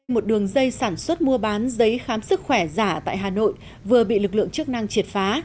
một đường dây sản xuất mua bán giấy khám sức khỏe giả tại hà nội vừa bị lực lượng chức năng triệt phá